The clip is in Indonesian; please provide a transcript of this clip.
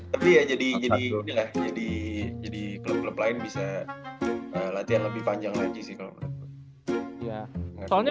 tapi ya jadi klub klub lain bisa latihan lebih panjang lagi sih kalau menurutku